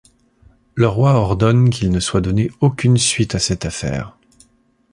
Le roi ordonne qu'il ne soit donné aucune suite à cette affaire.